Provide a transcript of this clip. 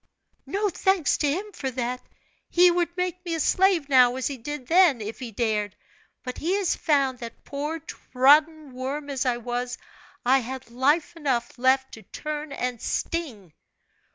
"No thanks to him for that! He would make me a slave now, as he did then, if he dared, but he has found that, poor, trodden worm as I was, I had life enough left to turn and sting."